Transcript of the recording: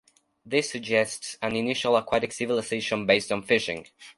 This suggests an initial aquatic civilisation based on fishing.